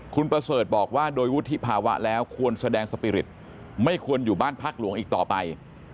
คุณประเสริฐบอกว่าโดยวุฒิภาวะแล้วควรแสดงสปีริตไม่ควรอยู่บ้านพักหลวงอีกต่อไป